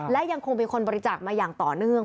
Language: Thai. และยังคงมีคนบริจาคมาอย่างต่อเนื่อง